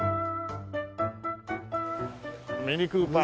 ミニクーパー。